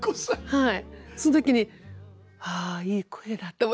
はい。